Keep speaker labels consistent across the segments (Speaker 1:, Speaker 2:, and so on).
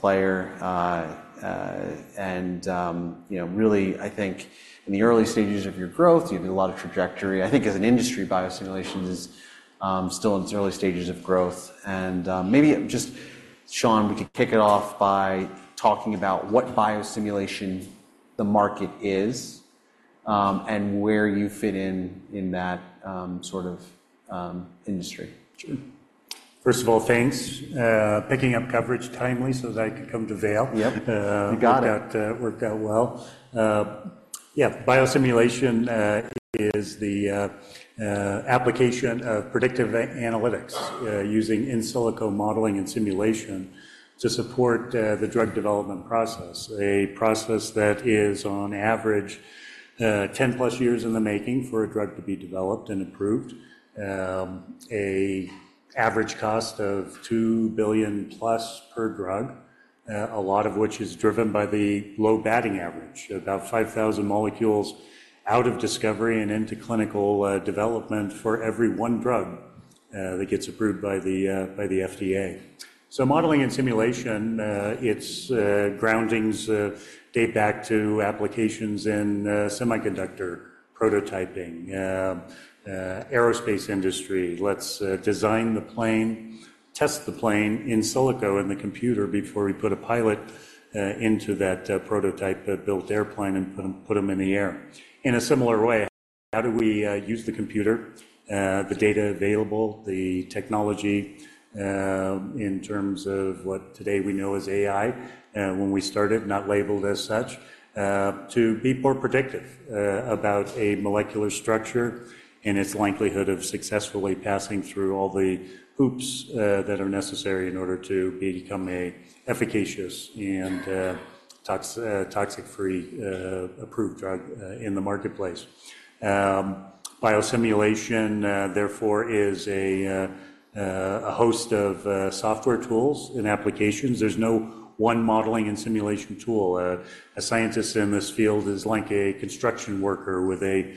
Speaker 1: Blair, you know, really, I think in the early stages of your growth, you did a lot of trajectory. I think as an industry, biosimulation is still in its early stages of growth. Maybe just, Shawn, we could kick it off by talking about what biosimulation the market is, and where you fit in, in that sort of industry.
Speaker 2: Sure. First of all, thanks, picking up coverage timely so that I could come to Vail.
Speaker 1: Yep. You got it.
Speaker 2: Worked out, worked out well. Yeah, biosimulation is the application of predictive analytics using in silico modeling and simulation to support the drug development process, a process that is on average 10+ years in the making for a drug to be developed and approved, an average cost of $2 billion+ per drug, a lot of which is driven by the low batting average, about 5,000 molecules out of discovery and into clinical development for every one drug that gets approved by the FDA. So modeling and simulation, its groundings date back to applications in semiconductor prototyping, aerospace industry. Let's design the plane, test the plane in silico in the computer before we put a pilot into that prototype built airplane and put 'em in the air. In a similar way, how do we use the computer, the data available, the technology, in terms of what today we know as AI, when we started, not labeled as such, to be more predictive about a molecular structure and its likelihood of successfully passing through all the hoops that are necessary in order to become an efficacious and toxic-free approved drug in the marketplace. Biosimulation, therefore, is a host of software tools and applications. There's no one modeling and simulation tool. A scientist in this field is like a construction worker with a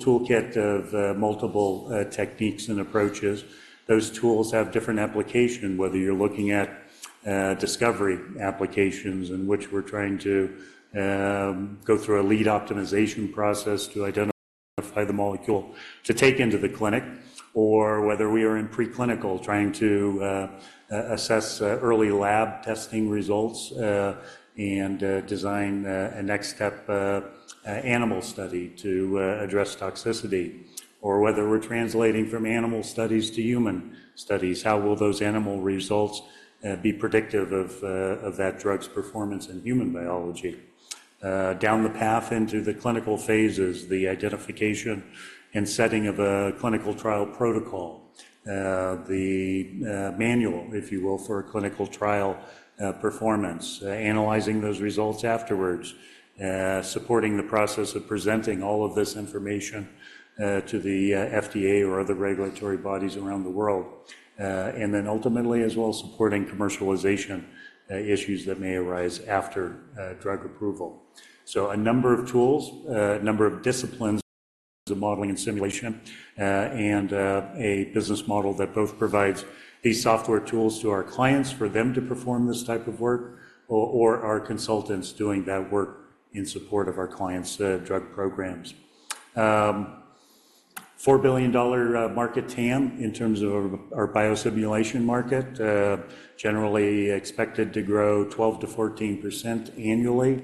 Speaker 2: tool kit of multiple techniques and approaches. Those tools have different application whether you're looking at discovery applications in which we're trying to go through a lead optimization process to identify the molecule to take into the clinic, or whether we are in preclinical trying to assess early lab testing results and design a next step animal study to address toxicity, or whether we're translating from animal studies to human studies, how will those animal results be predictive of that drug's performance in human biology. Down the path into the clinical phases, the identification and setting of a clinical trial protocol, the manual, if you will, for a clinical trial performance, analyzing those results afterwards, supporting the process of presenting all of this information to the FDA or other regulatory bodies around the world, and then ultimately as well supporting commercialization issues that may arise after drug approval. So a number of tools, a number of disciplines of modeling and simulation, and a business model that both provides these software tools to our clients for them to perform this type of work, or our consultants doing that work in support of our clients' drug programs. $4 billion market TAM in terms of our biosimulation market, generally expected to grow 12% to 14% annually,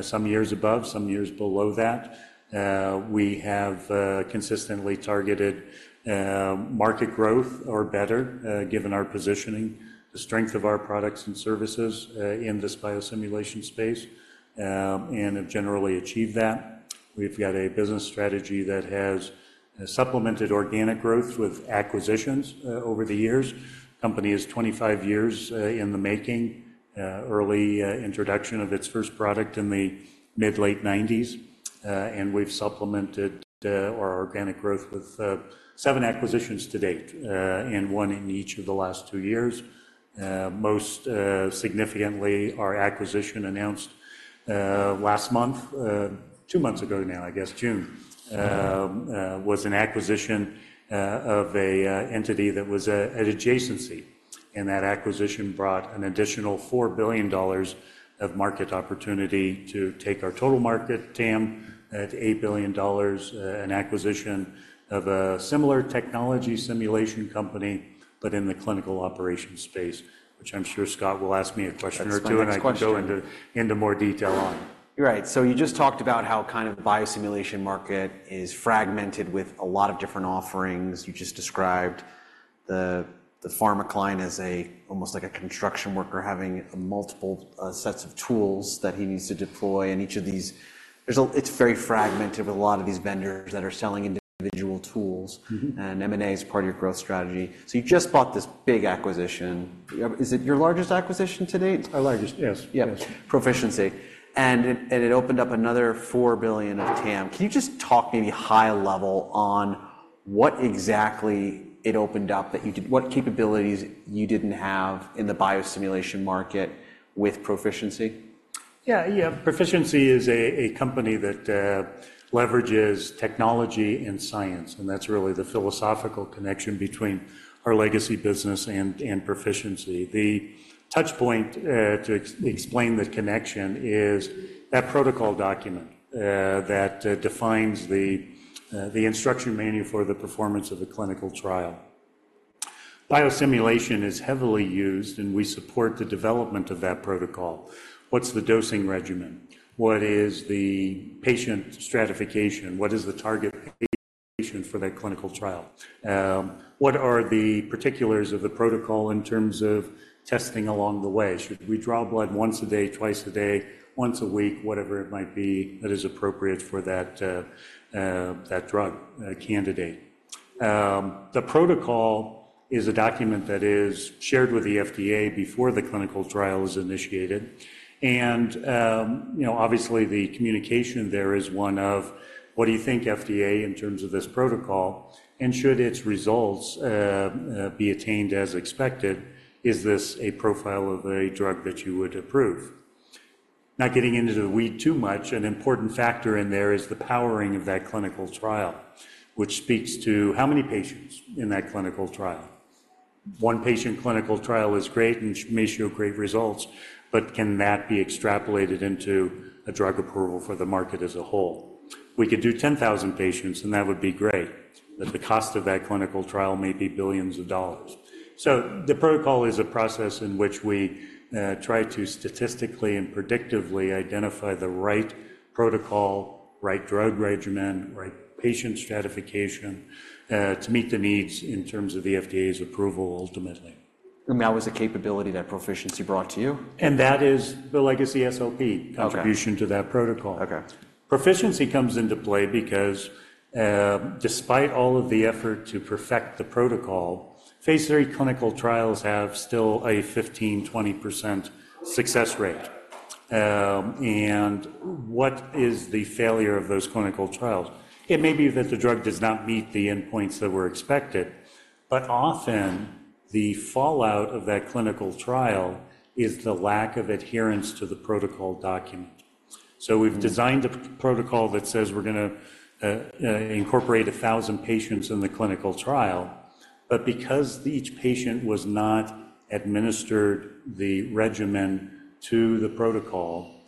Speaker 2: some years above, some years below that. We have consistently targeted market growth or better, given our positioning, the strength of our products and services, in this biosimulation space, and have generally achieved that. We've got a business strategy that has supplemented organic growth with acquisitions, over the years. Company is 25 years in the making, early introduction of its first product in the mid-late 1990s, and we've supplemented our organic growth with seven acquisitions to date, and one in each of the last two years. Most significantly, our acquisition announced last month, two months ago now, I guess, June, was an acquisition of an entity that was an adjacency, and that acquisition brought an additional $4 billion of market opportunity to take our total market TAM at $8 billion, an acquisition of a similar technology simulation company, but in the clinical operations space, which I'm sure Scott will ask me a question or two.
Speaker 1: That's a good question.
Speaker 2: I can go into more detail on.
Speaker 1: You're right. So you just talked about how kind of the biosimulation market is fragmented with a lot of different offerings. You just described the pharmacometrician as almost like a construction worker having multiple sets of tools that he needs to deploy, and each of these, it's very fragmented with a lot of these vendors that are selling individual tools.
Speaker 2: Mm-hmm.
Speaker 1: M&A is part of your growth strategy. You just bought this big acquisition. Is it your largest acquisition to date?
Speaker 2: Our largest, yes.
Speaker 1: Yep.
Speaker 2: Yes.
Speaker 1: Pro-ficiency. And it, and it opened up another $4 billion of TAM. Can you just talk maybe high level on what exactly it opened up that you did, what capabilities you didn't have in the biosimulation market with Pro-ficiency?
Speaker 2: Yeah, yeah. Pro-ficiency is a company that leverages technology and science, and that's really the philosophical connection between our legacy business and Pro-ficiency. The touchpoint to explain the connection is that protocol document that defines the instruction manual for the performance of a clinical trial. Biosimulation is heavily used, and we support the development of that protocol. What's the dosing regimen? What is the patient stratification? What is the target patient for that clinical trial? What are the particulars of the protocol in terms of testing along the way? Should we draw blood once a day, twice a day, once a week, whatever it might be that is appropriate for that drug candidate? The protocol is a document that is shared with the FDA before the clinical trial is initiated. You know, obviously the communication there is one of, what do you think, FDA, in terms of this protocol, and should its results, be attained as expected, is this a profile of a drug that you would approve? Not getting into the weed too much, an important factor in there is the powering of that clinical trial, which speaks to how many patients in that clinical trial. One patient clinical trial is great and makes you great results, but can that be extrapolated into a drug approval for the market as a whole? We could do 10,000 patients, and that would be great, but the cost of that clinical trial may be billions of dollars. So the protocol is a process in which we try to statistically and predictively identify the right protocol, right drug regimen, right patient stratification, to meet the needs in terms of the FDA's approval ultimately.
Speaker 1: I mean, that was a capability that Pro-ficiency brought to you.
Speaker 2: That is the legacy SOP.
Speaker 1: Gotcha.
Speaker 2: Contribution to that protocol.
Speaker 1: Okay.
Speaker 2: Pro-ficiency comes into play because, despite all of the effort to perfect the protocol, Phase III clinical trials have still a 15%, 20% success rate. And what is the failure of those clinical trials? It may be that the drug does not meet the endpoints that were expected, but often the fallout of that clinical trial is the lack of adherence to the protocol document. So we've designed a protocol that says we're gonna incorporate 1,000 patients in the clinical trial, but because each patient was not administered the regimen to the protocol,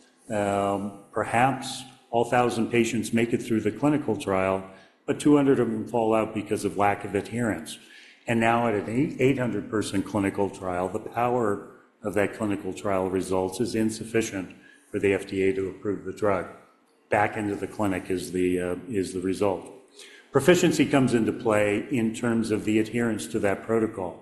Speaker 2: perhaps all 1,000 patients make it through the clinical trial, but 200 of 'em fall out because of lack of adherence. And now at an 800-person clinical trial, the power of that clinical trial results is insufficient for the FDA to approve the drug. Back into the clinic is the result. Pro-ficiency comes into play in terms of the adherence to that protocol.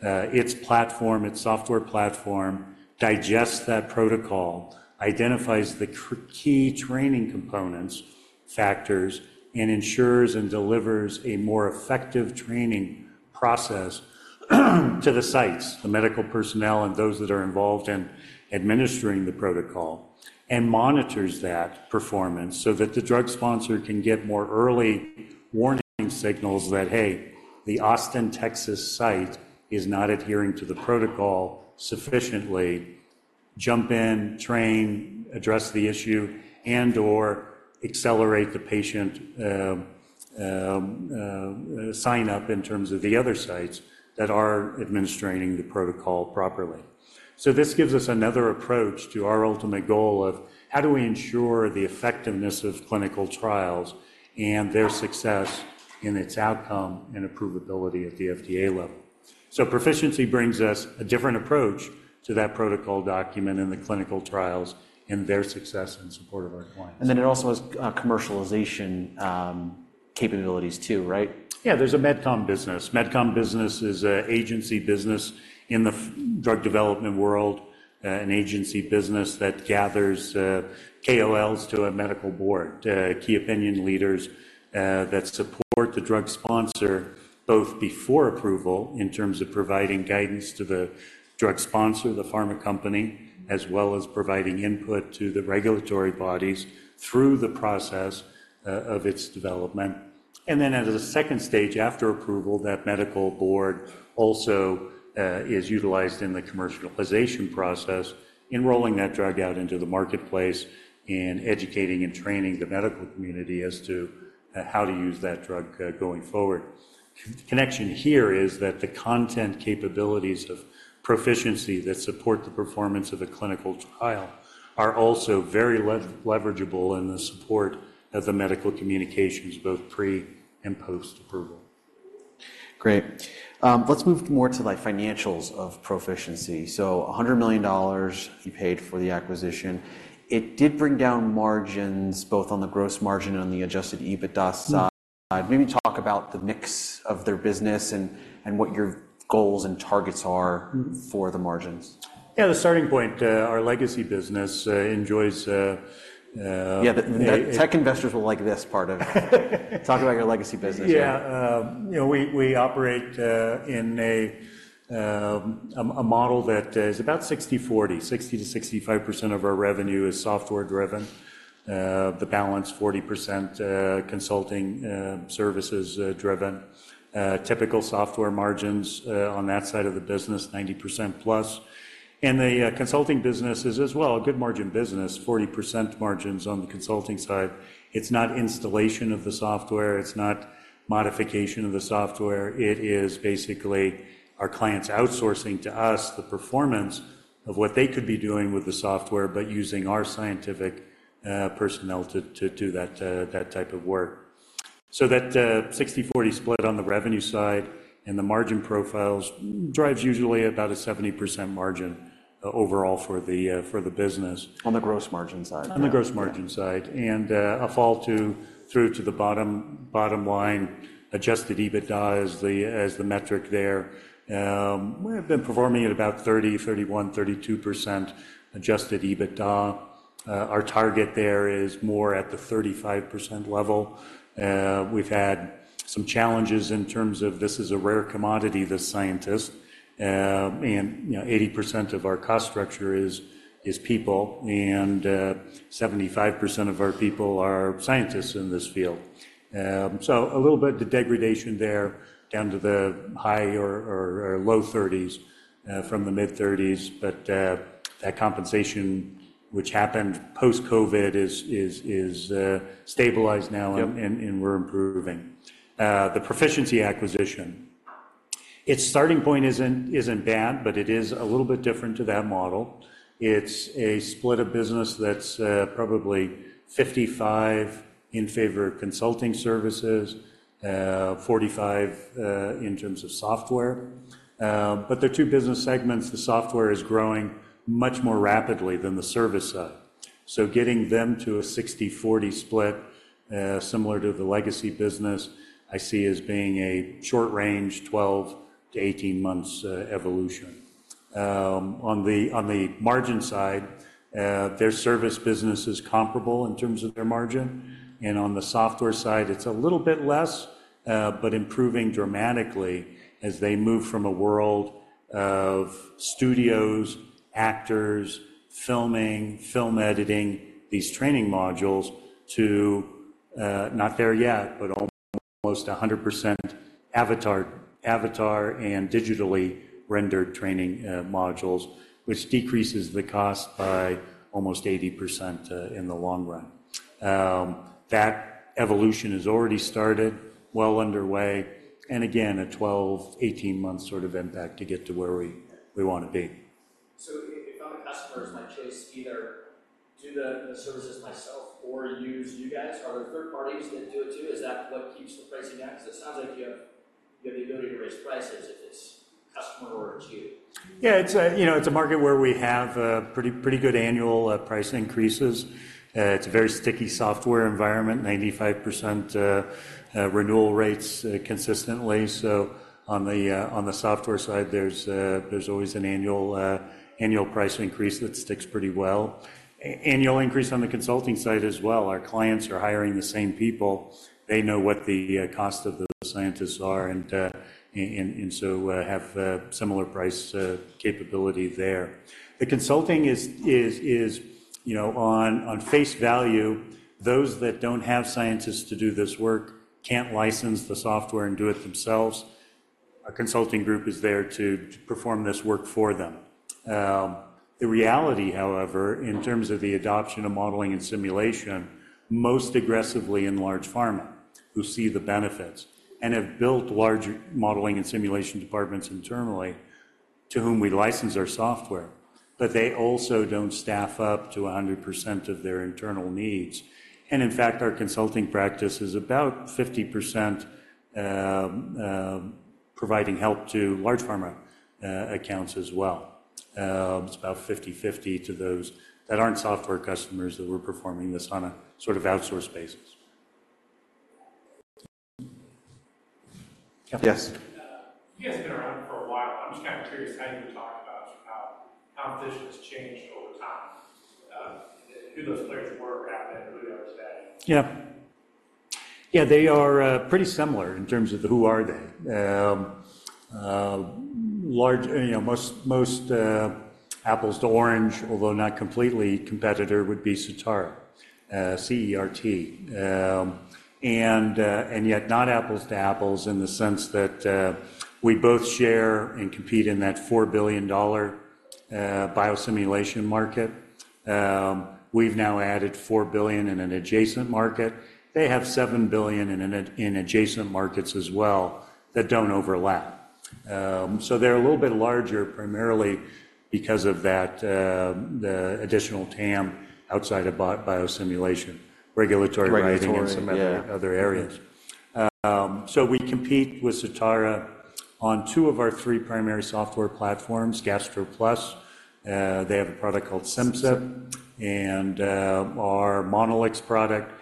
Speaker 2: Its platform, its software platform, digests that protocol, identifies the key training components, factors, and ensures and delivers a more effective training process to the sites, the medical personnel, and those that are involved in administering the protocol, and monitors that performance so that the drug sponsor can get more early warning signals that, hey, the Austin, Texas site is not adhering to the protocol sufficiently, jump in, train, address the issue, and/or accelerate the patient, sign-up in terms of the other sites that are administering the protocol properly. So this gives us another approach to our ultimate goal of how do we ensure the effectiveness of clinical trials and their success in its outcome and approvability at the FDA level. So Pro-ficiency brings us a different approach to that protocol document and the clinical trials and their success in support of our clients.
Speaker 1: And then it also has commercialization capabilities too, right?
Speaker 2: Yeah, there's a MedCom business. MedCom business is an agency business in the drug development world, an agency business that gathers KOLs to a medical board, key opinion leaders, that support the drug sponsor both before approval in terms of providing guidance to the drug sponsor, the pharma company, as well as providing input to the regulatory bodies through the process of its development. And then at a second stage after approval, that medical board also is utilized in the commercialization process, enrolling that drug out into the marketplace and educating and training the medical community as to how to use that drug, going forward. Connection here is that the content capabilities of Pro-ficiency that support the performance of a clinical trial are also very leverageable in the support of the medical communications both pre and post-approval.
Speaker 1: Great. Let's move more to the financials of Pro-ficiency. So $100 million you paid for the acquisition. It did bring down margins both on the gross margin and on the adjusted EBITDA side. Maybe talk about the mix of their business and what your goals and targets are.
Speaker 2: Mm-hmm.
Speaker 1: For the margins.
Speaker 2: Yeah, the starting point, our legacy business, enjoys,
Speaker 1: Yeah, the tech investors will like this part of it. Talk about your legacy business.
Speaker 2: Yeah, you know, we operate in a model that is about 60/40. 60% to 65% of our revenue is software-driven, the balance 40%, consulting services driven. Typical software margins on that side of the business, 90%+. And the consulting business is as well a good margin business, 40% margins on the consulting side. It's not installation of the software. It's not modification of the software. It is basically our clients outsourcing to us the performance of what they could be doing with the software, but using our scientific personnel to do that type of work. So that 60/40 split on the revenue side and the margin profiles drives usually about a 70% margin overall for the business.
Speaker 1: On the gross margin side.
Speaker 2: On the gross margin side. A fall-through to the bottom line, adjusted EBITDA is the metric there. We have been performing at about 30%, 31%, 32% adjusted EBITDA. Our target there is more at the 35% level. We've had some challenges in terms of this is a rare commodity, the scientist. And, you know, 80% of our cost structure is people, and 75% of our people are scientists in this field. So a little bit of degradation there down to the high or low 30s, from the mid-30s, but that compensation, which happened post-COVID, is stabilized now.
Speaker 1: Yep.
Speaker 2: And we're improving. The Pro-ficiency acquisition, its starting point isn't bad, but it is a little bit different to that model. It's a split of business that's probably 55 in favor of consulting services, 45, in terms of software. But there are two business segments. The software is growing much more rapidly than the service side. So getting them to a 60/40 split, similar to the legacy business, I see as being a short range, 12-18 months, evolution. On the margin side, their service business is comparable in terms of their margin. On the software side, it's a little bit less, but improving dramatically as they move from a world of studios, actors, filming, film editing, these training modules to, not there yet, but almost 100% avatar, avatar and digitally rendered training modules, which decreases the cost by almost 80% in the long run. That evolution has already started well underway. And again, a 12-18-month sort of impact to get to where we, we wanna be.
Speaker 3: So if other customers might choose either do the services myself or use you guys, are there third parties that do it too? Is that what keeps the pricing up? 'Cause it sounds like you have the ability to raise prices if it's customer or to you.
Speaker 2: Yeah, it's a, you know, it's a market where we have pretty good annual price increases. It's a very sticky software environment, 95% renewal rates, consistently. So on the software side, there's always an annual price increase that sticks pretty well. Annual increase on the consulting side as well. Our clients are hiring the same people. They know what the cost of the scientists are and so have similar price capability there. The consulting is, you know, on face value, those that don't have scientists to do this work can't license the software and do it themselves. Our consulting group is there to perform this work for them. The reality, however, in terms of the adoption of modeling and simulation, most aggressively in large pharma who see the benefits and have built large modeling and simulation departments internally to whom we license our software, but they also don't staff up to 100% of their internal needs. And in fact, our consulting practice is about 50%, providing help to large pharma accounts as well. It's about 50/50 to those that aren't software customers that we're performing this on a sort of outsourced basis.
Speaker 1: Yes.
Speaker 3: You guys have been around for a while. I'm just kinda curious how you would talk about how, how the business changed over time, who those players were back then, who they are today.
Speaker 2: Yep. Yeah, they are, pretty similar in terms of who they are. Large, you know, most apples to oranges, although not completely competitor, would be Certara. And yet not apples to apples in the sense that, we both share and compete in that $4 billion biosimulation market. We've now added $4 billion in an adjacent market. They have $7 billion in adjacent markets as well that don't overlap. So they're a little bit larger primarily because of that, the additional TAM outside of biosimulation, regulatory writing and some other areas. So we compete with Certara on two of our three primary software platforms, GastroPlus. They have a product called Simcyp and our Monolix product.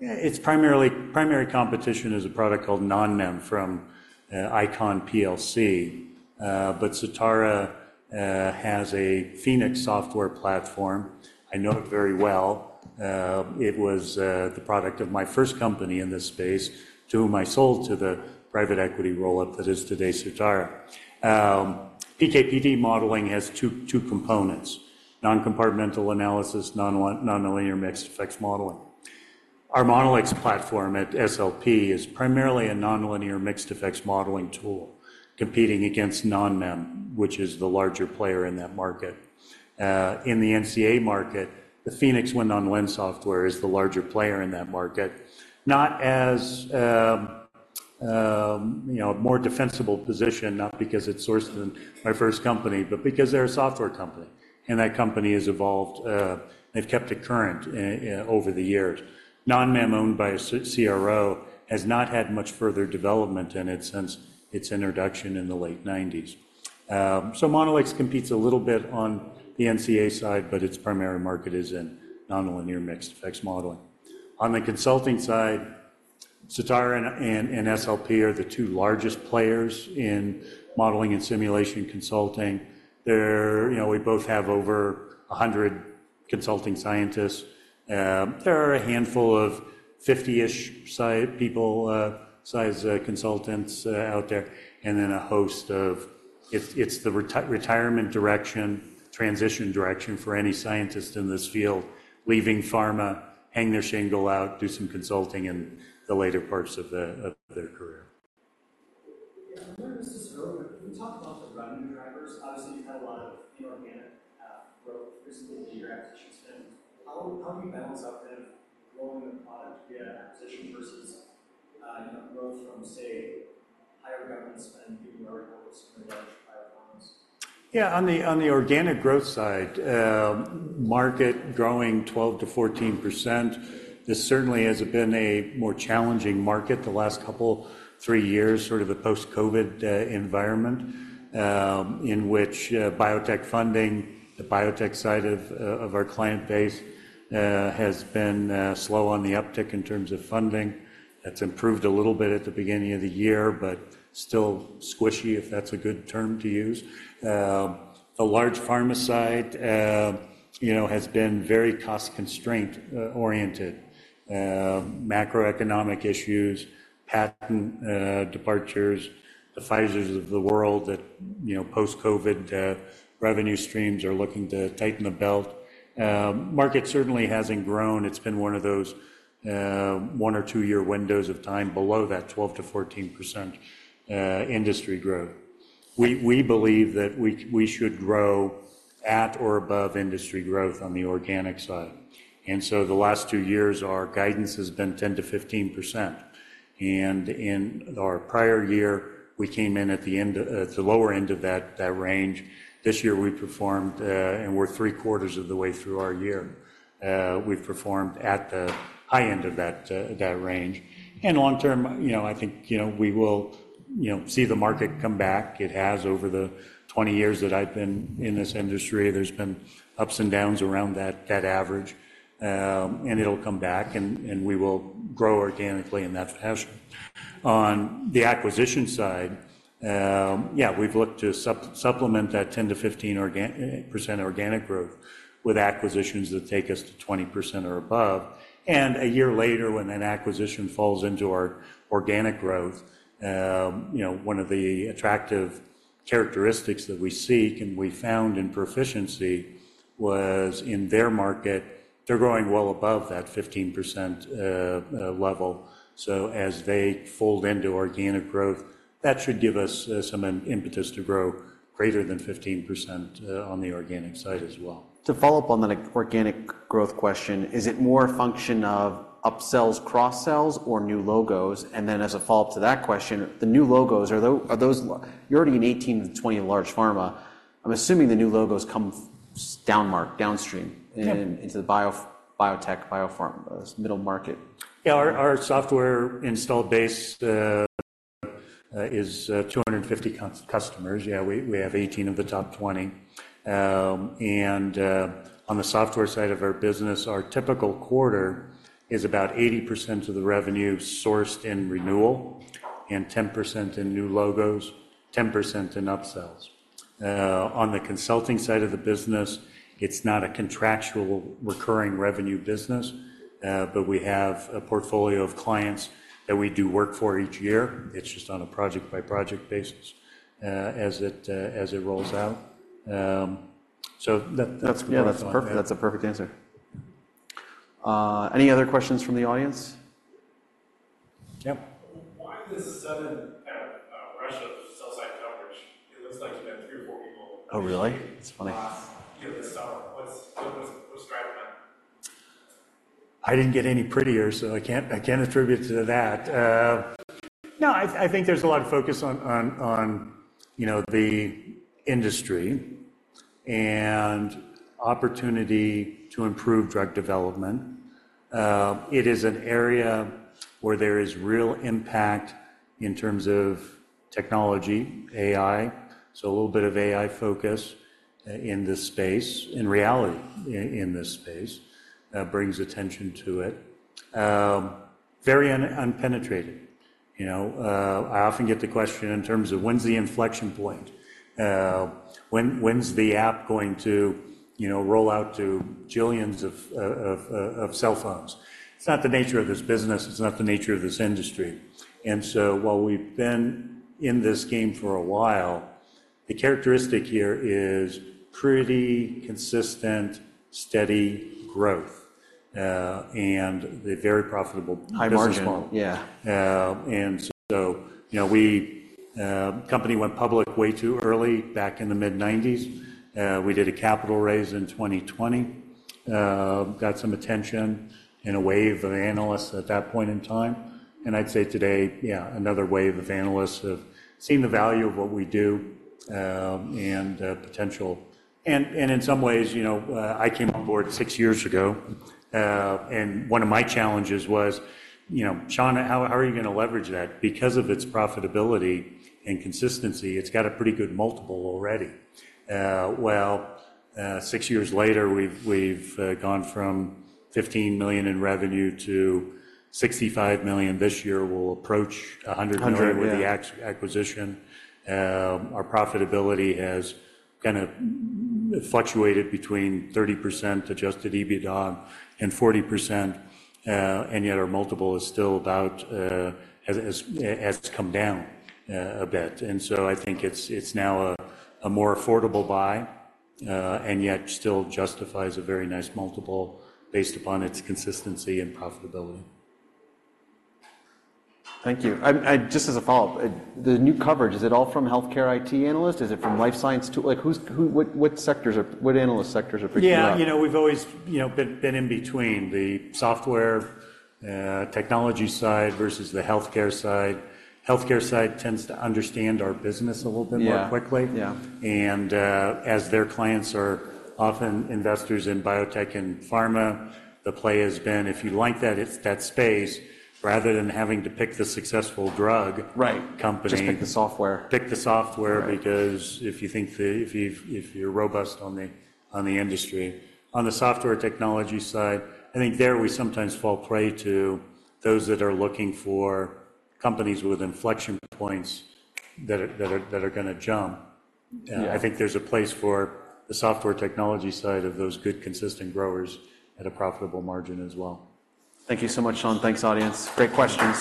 Speaker 2: It's primary competition is a product called NONMEM from ICON plc. But Certara has a Phoenix software platform. I know it very well. It was the product of my first company in this space to whom I sold to the private equity roll-up that is today Certara. PK/PD modeling has two components: non-compartmental analysis, nonlinear mixed effects modeling. Our Monolix platform at Simulations Plus is primarily a nonlinear mixed effects modeling tool competing against NONMEM, which is the larger player in that market. In the NCA market, the Phoenix WinNonlin software is the larger player in that market, not as, you know, a more defensible position, not because it sourced in my first company, but because they're a software company and that company has evolved, they've kept it current over the years. NONMEM owned by a CRO has not had much further development in it since its introduction in the late 1990s. So Monolix competes a little bit on the NCA side, but its primary market is in nonlinear mixed effects modeling. On the consulting side, Certara and Simulations Plus are the two largest players in modeling and simulation consulting. They're, you know, we both have over 100 consulting scientists. There are a handful of 50-ish size consultants out there, and then a host of. It's the retirement direction, transition direction for any scientist in this field, leaving pharma, hang their shingle out, do some consulting in the later parts of their, of their career.
Speaker 3: Yeah. I'm wondering if this is relevant. Can you talk about the revenue drivers? Obviously, you've had a lot of inorganic growth recently in your acquisition spend. How do you balance out kind of growing the product via acquisition versus, you know, growth from, say, higher government spend, getting more reports from large private pharmas?
Speaker 2: Yeah, on the organic growth side, market growing 12% to 14%. This certainly has been a more challenging market the last couple, three years, sort of a post-COVID environment, in which biotech funding, the biotech side of our client base, has been slow on the uptick in terms of funding. That's improved a little bit at the beginning of the year, but still squishy, if that's a good term to use. The large pharma side, you know, has been very cost-constraint oriented. Macroeconomic issues, patent departures, the Pfizers of the world that, you know, post-COVID revenue streams are looking to tighten the belt. The market certainly hasn't grown. It's been one of those one- or two-year windows of time below that 12% to 14% industry growth. We believe that we should grow at or above industry growth on the organic side. The last two years, our guidance has been 10% to 15%. In our prior year, we came in at the end, at the lower end of that, that range. This year, we performed, and we're three quarters of the way through our year. We've performed at the high end of that, that range. Long-term, you know, I think, you know, we will, you know, see the market come back. It has over the 20 years that I've been in this industry. There's been ups and downs around that, that average. It'll come back and, and we will grow organically in that fashion. On the acquisition side, yeah, we've looked to supplement that 10% to 15% organic growth with acquisitions that take us to 20% or above. And a year later, when that acquisition falls into our organic growth, you know, one of the attractive characteristics that we seek and we found in Pro-ficiency was in their market, they're growing well above that 15% level. So as they fold into organic growth, that should give us some impetus to grow greater than 15% on the organic side as well.
Speaker 1: To follow up on that organic growth question, is it more a function of upsells, cross-sells, or new logos? And then as a follow-up to that question, the new logos, are those you're already in 18 to 20 large pharma. I'm assuming the new logos come downmarket, downstream.
Speaker 2: Yeah.
Speaker 1: Into the biotech, biopharma middle market.
Speaker 2: Yeah, our software installed base is 250 customers. Yeah, we have 18 of the top 20. And on the software side of our business, our typical quarter is about 80% of the revenue sourced in renewal and 10% in new logos, 10% in upsells. On the consulting side of the business, it's not a contractual recurring revenue business, but we have a portfolio of clients that we do work for each year. It's just on a project-by-project basis, as it rolls out. So that's a perfect answer.
Speaker 1: Any other questions from the audience?
Speaker 2: Yep.
Speaker 3: Why is this a sudden rush of sell-side coverage? It looks like there's been three or four people.
Speaker 1: Oh, really? That's funny.
Speaker 3: You know, this summer, what was driving them?
Speaker 2: I didn't get any prettier, so I can't attribute to that. No, I think there's a lot of focus on, you know, the industry and opportunity to improve drug development. It is an area where there is real impact in terms of technology, AI. So a little bit of AI focus, in this space, in reality, in this space, brings attention to it. Very unpenetrated, you know. I often get the question in terms of when's the inflection point? When's the app going to, you know, roll out to jillions of cell phones? It's not the nature of this business. It's not the nature of this industry. And so while we've been in this game for a while, the characteristic here is pretty consistent, steady growth, and the very profitable large pharma.
Speaker 1: High margin. Yeah.
Speaker 2: So, you know, our company went public way too early back in the mid-1990s. We did a capital raise in 2020, got some attention and a wave of analysts at that point in time. And I'd say today, yeah, another wave of analysts have seen the value of what we do, and potential. And in some ways, you know, I came on board six years ago, and one of my challenges was, you know, Shawn, how are you gonna leverage that? Because of its profitability and consistency, it's got a pretty good multiple already. Well, six years later, we've gone from $15 million in revenue to $65 million this year. We'll approach $100 million with the acquisition. Our profitability has kind of fluctuated between 30% adjusted EBITDA and 40%, and yet our multiple is still about, has come down a bit. And so I think it's now a more affordable buy, and yet still justifies a very nice multiple based upon its consistency and profitability.
Speaker 1: Thank you. I just as a follow-up, the new coverage, is it all from healthcare IT analysts? Is it from life science tool? Like who's, what sectors are, what analyst sectors are picking it up?
Speaker 2: Yeah, you know, we've always, you know, been in between the software, technology side versus the healthcare side. Healthcare side tends to understand our business a little bit more quickly.
Speaker 1: Yeah. Yeah.
Speaker 2: As their clients are often investors in biotech and pharma, the play has been, if you like that, it's that space rather than having to pick the successful drug.
Speaker 1: Right.
Speaker 2: Company.
Speaker 1: Just pick the software.
Speaker 2: Pick the software because if you think the, if you're robust on the industry. On the software technology side, I think there we sometimes fall prey to those that are looking for companies with inflection points that are gonna jump.
Speaker 1: Yeah.
Speaker 2: I think there's a place for the software technology side of those good consistent growers at a profitable margin as well.
Speaker 1: Thank you so much, Shawn. Thanks, audience. Great questions.